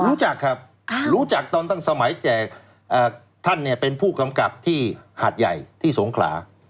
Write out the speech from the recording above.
รู้จักครับรู้จักตอนตั้งสมัยแจกท่านเป็นผู้กำกับที่หาดใหญ่ที่สงขลา